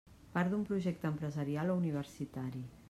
Part d'un projecte empresarial o universitari.